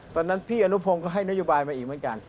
ตอนนั้นพี่อนุพงศ์ก็ให้นโยบายมาอีกเหมือนกัน